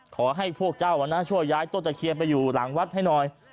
ขอให้พวกเจ้าช่วยย้ายต้นตะเคียนไปอยู่หลังวัดให้หน่อย